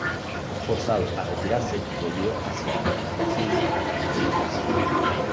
Forzado a retirarse volvió hacia Mosul en desgracia.